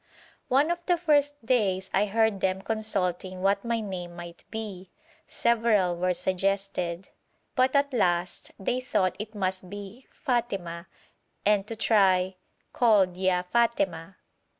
One of the first days I heard them consulting what my name might be; several were suggested, but at last they thought it must be 'Fàtema' and to try called 'Ya Fàtema!'